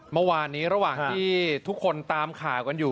เมื่อวานนี้ระหว่างที่ทุกคนตามข่าวกันอยู่